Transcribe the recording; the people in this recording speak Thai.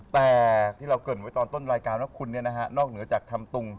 แต่ที่เราเกิดไว้ตอนต้นรายการว่าคุณเนี่ยนะฮะนอกเหนือจากทำตุง